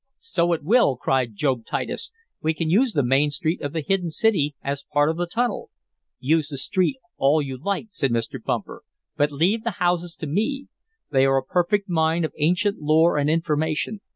"So it will!" cried Job Titus. "We can use the main street of the hidden city as part of the tunnel." "Use the street all you like," said Mr. Bumper, "but leave the houses to me. They are a perfect mine of ancient lore and information.